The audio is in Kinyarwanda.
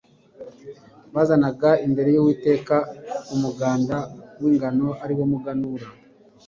bazanaga imbere`y'Uwiteka umuganda w'ingano ari wo muganura.